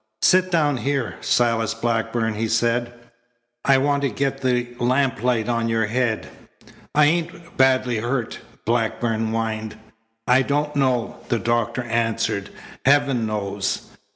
"Sit down here, Silas Blackburn," he said. "I want to get the lamplight on your head." "I ain't badly hurt?" Blackburn whined. "I don't know," the doctor answered. "Heaven knows."